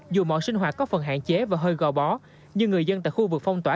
dù mọi sinh hoạt có phần hạn chế và hơi gò bó nhưng người dân tại khu vực phong tỏa